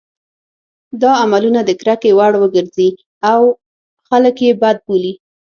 دا عملونه د کرکې وړ وګرځي او خلک یې بد بولي.